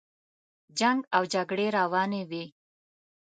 جنګ او جګړې روانې وې.